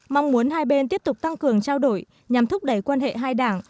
mong muốn hai bên tiếp tục tăng cường trao đổi nhằm thúc đẩy quan hệ hai đảng